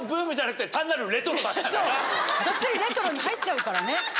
がっつりレトロに入っちゃうからね。